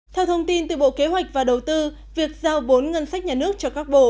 theo thông tin từ bộ kế hoạch và đầu tư việc giao vốn ngân sách nhà nước cho các bộ